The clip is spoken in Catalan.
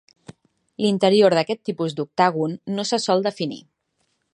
L'interior d'aquest tipus d'octàgon no se sol definir.